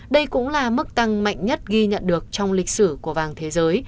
đây cũng là mức tăng mạnh nhất ghi nhận được trong lịch sử